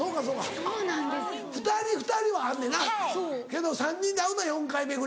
けど３人で会うのは４回目ぐらい。